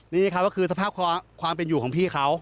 นี่ครับก็คือสภาพความเป็นอยู่ของพี่เขา